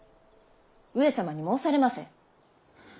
上様に申されませ。